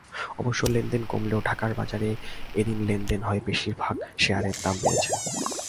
অবশ্য লেনদেন কমলেও ঢাকার বাজারে এদিন লেনদেন হওয়া বেশির ভাগ শেয়ারের দাম বেড়েছে।